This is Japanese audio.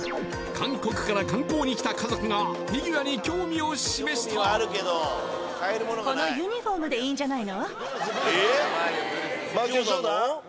韓国から観光に来た家族がフィギュアに興味を示したジョーダンいいんじゃない？